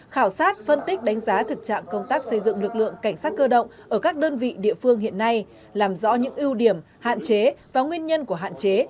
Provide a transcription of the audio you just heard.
khảo sát phân tích đánh giá thực trạng công tác xây dựng lực lượng cảnh sát cơ động ở các đơn vị địa phương hiện nay làm rõ những ưu điểm hạn chế và nguyên nhân của hạn chế